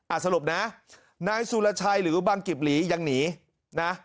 สรุปนะนายสุรชัยหรือบังกิบหลียังหนีนะ